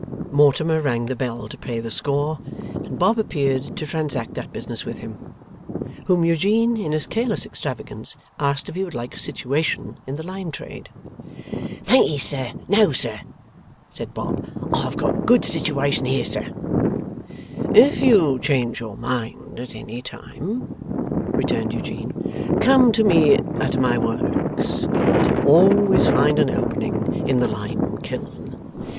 Mortimer rang the bell to pay the score, and Bob appeared to transact that business with him: whom Eugene, in his careless extravagance, asked if he would like a situation in the lime trade? 'Thankee sir, no sir,' said Bob. 'I've a good sitiwation here, sir.' 'If you change your mind at any time,' returned Eugene, 'come to me at my works, and you'll always find an opening in the lime kiln.